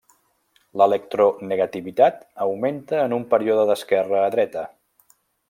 L'electronegativitat augmenta en un període d'esquerra a dreta.